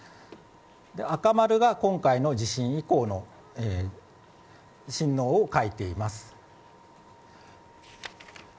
赤丸が今回の地震以降の震央を書いています。